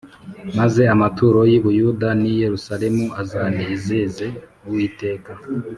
Maze amaturo y’i Buyuda n’i Yerusalemu azanezeze Uwiteka